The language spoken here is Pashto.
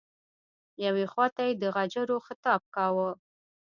یوې خواته یې د غجرو خطاب کاوه.